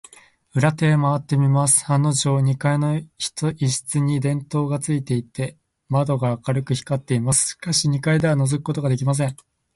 裏手へまわってみますと、案のじょう、二階の一室に電燈がついていて、窓が明るく光っています。しかし、二階ではのぞくことができません。